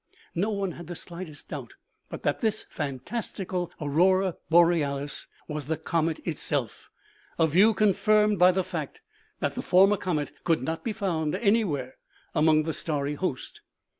No one had the slightest doubt but that this fantastical aurora borealis was the comet itself, a view confirmed by the fact that the former comet could not be found any where among the starry host.